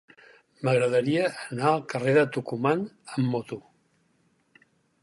M'agradaria anar al carrer de Tucumán amb moto.